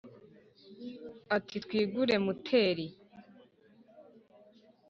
ati: twigure muteri,